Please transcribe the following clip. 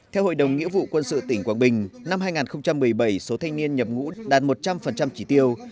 theo hội đồng nghĩa vụ quân sự tỉnh quảng bình năm hai nghìn một mươi bảy số thanh niên nhập ngũ đạt một trăm linh chỉ tiêu